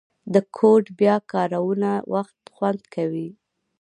د کوډ بیا کارونه وخت خوندي کوي.